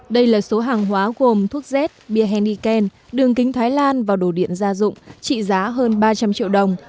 đây là số hàng hóa gồm thuốc z biahenneken đường kính thái lan và đồ điện gia dụng trị giá hơn ba trăm linh triệu đồng